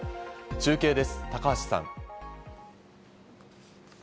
中継です、高橋さん。